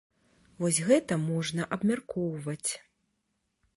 Вось гэта можна абмяркоўваць.